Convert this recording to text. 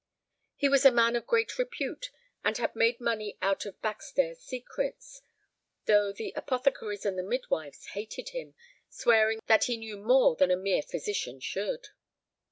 He was a man of great repute, and had made money out of "back stairs secrets," though the apothecaries and the midwives hated him, swearing that he knew more than a mere physician should.